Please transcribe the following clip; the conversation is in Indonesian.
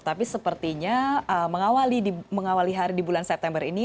tapi sepertinya mengawali hari di bulan september ini